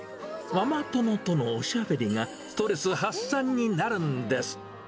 ママ友とのおしゃべりが、ストレス発散になるんです。